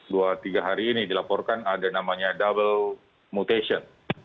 dua tiga hari ini dilaporkan ada namanya double mutation